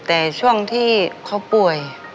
แต่ช่วงที่เขาป่วย